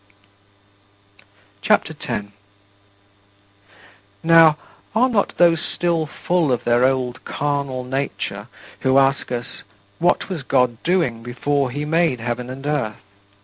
CHAPTER X 12. Now, are not those still full of their old carnal nature who ask us: "What was God doing before he made heaven and earth?